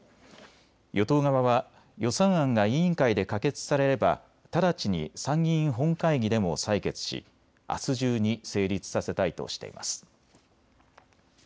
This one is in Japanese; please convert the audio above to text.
与党側は予算案が委員会で可決されれば直ちに参議院本会議でも採決し、あす中に成立させたいとしています。